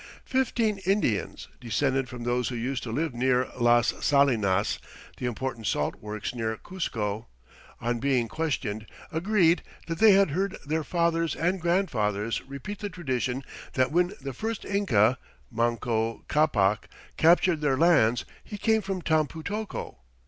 Fifteen Indians, descended from those who used to live near Las Salinas, the important salt works near Cuzco, on being questioned, agreed that they had heard their fathers and grandfathers repeat the tradition that when the first Inca, Manco Ccapac, captured their lands, he came from Tampu tocco.